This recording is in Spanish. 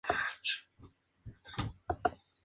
Sirve Charlotte y el Condado de Mecklenburg.